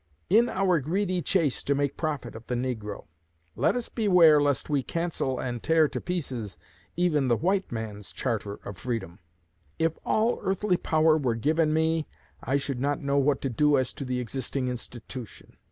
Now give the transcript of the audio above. ... In our greedy chase to make profit of the negro, let us beware lest we cancel and tear to pieces even the white man's charter of freedom.... If all earthly power were given me, I should not know what to do as to the existing institution.